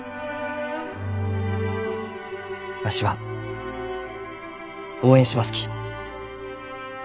わしは応援しますき。